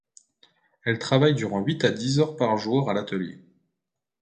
Elle travaille durant huit à dix heures par jour à l'atelier.